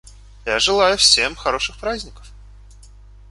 Я желаю всем хороших праздников.